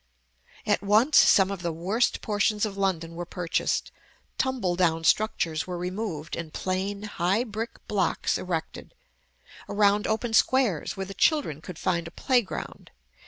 At once some of the worst portions of London were purchased; tumble down structures were removed; and plain, high brick blocks erected, around open squares, where the children could find a playground.